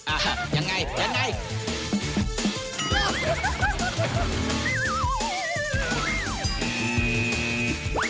อ่าฮะอย่างไรอย่างไร